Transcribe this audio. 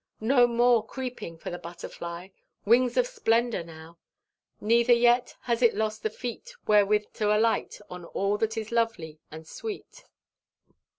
No more creeping for the butterfly; wings of splendour now. Neither yet has it lost the feet wherewith to alight on all that is lovely and sweet.